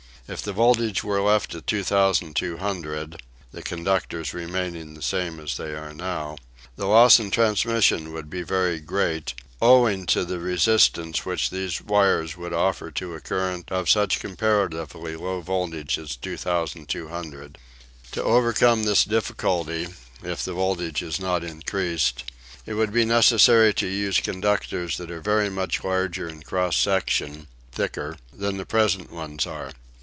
If the voltage were left at 2200 the conductors remaining the same as they are now the loss in transmission would be very great, owing to the resistance which these wires would offer to a current of such comparatively low voltage as 2200. To overcome this difficulty if the voltage is not increased it would be necessary to use conductors that are very much larger in cross section (thicker) than the present ones are.